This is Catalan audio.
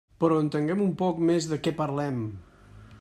Però entenguem un poc més de què parlem.